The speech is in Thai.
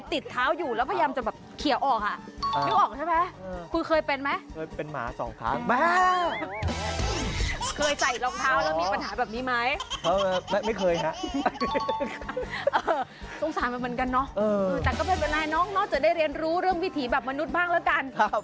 แต่ก็เป็นปัญหาน้องจะได้เรียนรู้เรื่องวิถีแบบมนุษย์บ้างละกัน